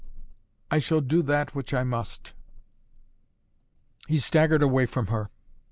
"I shall do that which I must!" He staggered away from her.